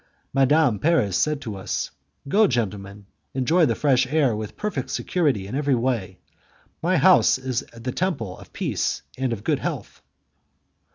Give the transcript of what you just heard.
Madame Paris said to us, "Go, gentlemen, enjoy the fresh air with perfect security in every way; my house is the temple of peace and of good health."